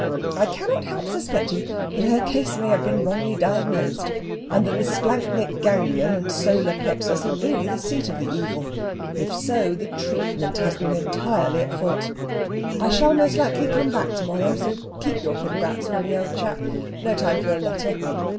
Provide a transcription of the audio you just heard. I cannot help suspecting that her case may have been wrongly diagnosed, and that the splanchnic ganglion and solar plexus are really the seat of the evil. If so, the treatment has been entirely at fault. "I shall most likely be back to morrow, so keep your congrats. for me, old chap. No time for a letter.